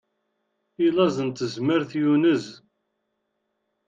I laẓ n tezmert yunez.